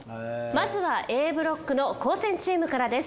まずはＡブロックの高専チームからです。